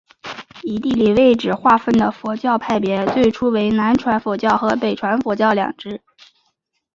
以地理位置划分的佛教派别最初为南传佛教和北传佛教两支。